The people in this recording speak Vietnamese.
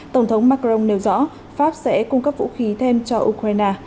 tổng thống macron nêu rõ pháp sẽ cung cấp vũ khí thêm cho ukraine